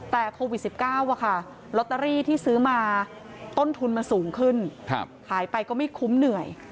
แต่โควิด๑๙ลอตเตอรี่ที่ซื้อมาต้นทุนมันสูงขึ้นขายไปก็ไม่คุ้มเหนื่อย